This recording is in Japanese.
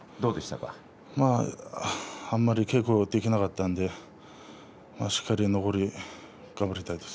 あまり稽古ができなかったのでしっかり残り頑張りたいです。